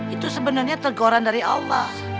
itu sebenarnya teguran dari allah